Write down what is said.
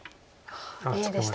Ａでした。